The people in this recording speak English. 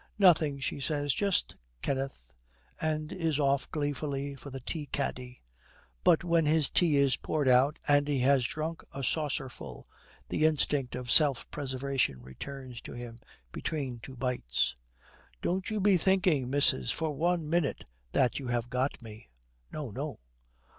'Nothing,' she says, 'just Kenneth,' and is off gleefully for the tea caddy. But when his tea is poured out, and he has drunk a saucerful, the instinct of self preservation returns to him between two bites. 'Don't you be thinking, missis, for one minute that you have got me.' 'No, no.'